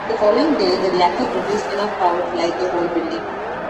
The following day, the reactor produced enough power to light the whole building.